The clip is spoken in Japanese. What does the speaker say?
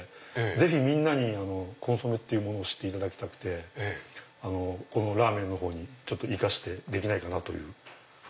ぜひみんなにコンソメを知っていただきたくてこのラーメンのほうに生かしてできないかなという。